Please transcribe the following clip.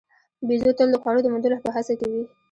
بیزو تل د خوړو د موندلو په هڅه کې وي.